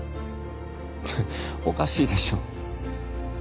おかしいでしょ